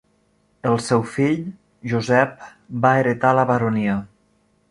El seu fill, Josep, va heretar la baronia.